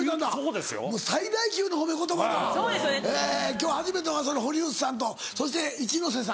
今日初めてがその堀内さんとそして市ノ瀬さん。